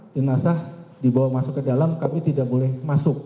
jenazah dibawa masuk ke dalam kami tidak boleh masuk